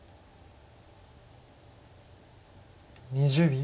２０秒。